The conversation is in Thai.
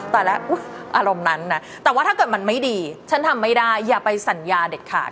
แต่ว่าถ้าเกิดมันไม่ดีฉันทำไม่ได้อย่าไปสัญญาเด็ดขาด